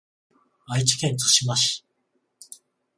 愛知県津島市